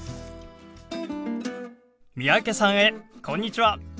三宅さんへこんにちは！